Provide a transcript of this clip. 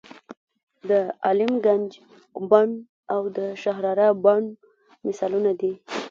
د عالم ګنج بڼ او د شهرارا بڼ مثالونه دي.